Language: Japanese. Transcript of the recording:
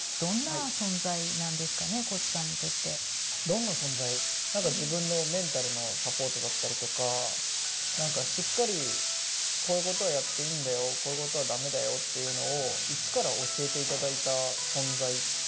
どんな存在何か自分のメンタルのサポートだったりとか何かしっかりこういうことはやっていいんだよこういうことは駄目だよっていうのを一から教えていただいた存在。